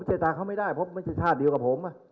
ผมเจรจารย์เขาไม่ได้เพราะมันไม่ใช่ชาติเดียวกับผม